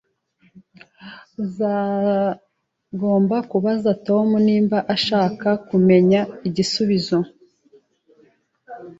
Uzagomba kubaza Tom niba ushaka kumenya igisubizo